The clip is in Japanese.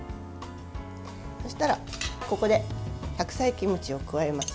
そうしたらここで白菜キムチを加えます。